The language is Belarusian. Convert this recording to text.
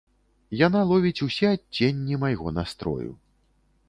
Яна ловіць усе адценні майго настрою.